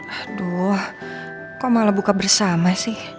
aduh kok malah buka bersama sih